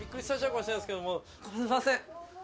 すいません